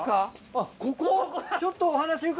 あっここ？